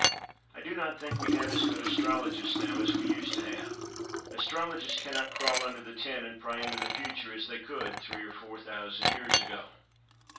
I do not think we have as good "Astrologists" now as we used to have. Astrologists cannot crawl under the tent and pry into the future as they could three or four thousand years ago.